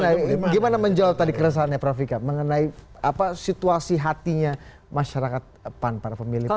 pak dian gimana menjawab tadi keresahannya prof rika mengenai apa situasi hatinya masyarakat pan para pemilik pan